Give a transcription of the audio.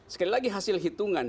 sekali lagi hasil hitungan